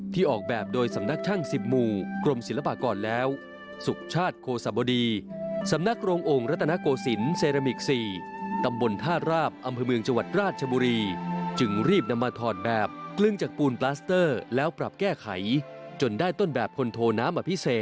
ติดตามพร้อมกันจากรายงานค่ะ